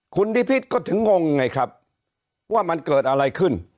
คุณนิพิษก็ถึงงงไงครับว่ามันเกิดอะไรขึ้น